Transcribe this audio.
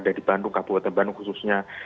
dari bandung kabupaten bandung khususnya